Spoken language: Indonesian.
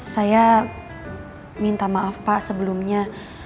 saya minta maaf pak sebelumnya